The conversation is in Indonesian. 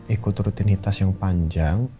ikut rutinitas yang panjang